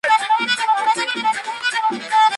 Su posición es mediocampista.